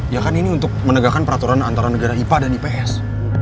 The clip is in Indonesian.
ya kan ini untuk menegakkan peraturan antara negara ipa dan ips